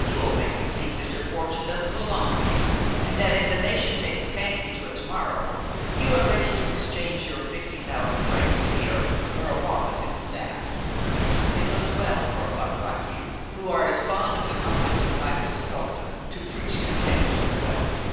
You will make me think that your fortune doesn't belong to you, and that, if the nation takes a fancy to it to morrow, you are ready to exchange your fifty thousand francs a year for a wallet and staff! It looks well for a buck like you, who are as fond of the comforts of life as a sultan, to preach contempt of wealth!"